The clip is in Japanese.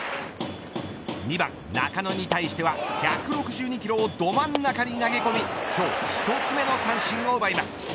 ２番中野に対しては１６２キロをど真ん中に投げ込み今日１つ目の三振を奪います。